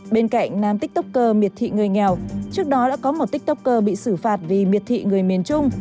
bên cạnh nam tiktoker miệt thị người nghèo trước đó đã có một tiktoker bị xử phạt vì miệt thị người miền trung